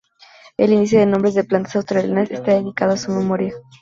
El "Índice de Nombres de Plantas Australianas" está dedicado a su memoria.